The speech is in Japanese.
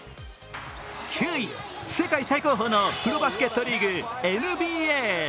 世界最高峰のプロバスケットリーグ、ＮＢＡ。